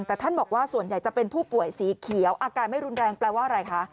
แต่ท่านบอกว่าส่วนใหญ่จะเป็นผู้ป่วยสีเขียวอาการไม่รุนแรงแปลว่าอะไรคะ